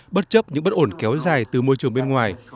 bất chấp những bất ổn kéo dài từ môi trường bên ngoài